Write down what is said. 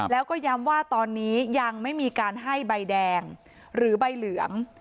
แล้วก็ย้ำว่าตอนนี้ยังไม่มีการให้ใบแดงหรือใบเหลือง